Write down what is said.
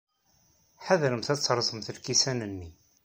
Ḥadremt ad terrẓem lkisan-nni.